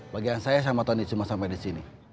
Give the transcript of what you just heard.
bagian saya sama tony cuma sampai disini